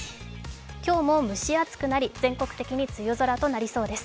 今日も蒸し暑くなり全国的に梅雨空となりそうです。